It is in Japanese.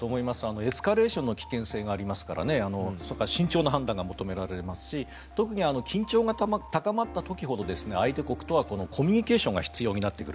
エスカレーションの危険性がありますからそれから慎重な判断が求められますし特に緊張が高まった時ほど相手国とはコミュニケーションが必要になってくる。